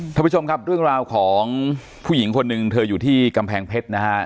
ท่านผู้ชมครับเรื่องราวของผู้หญิงคนหนึ่งเธออยู่ที่กำแพงเพชรนะฮะ